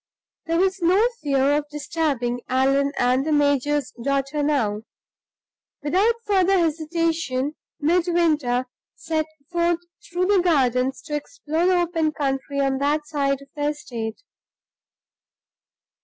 There was no fear of disturbing Allan and the major's daughter now. Without further hesitation, Midwinter set forth through the gardens to explore the open country on that side of the estate.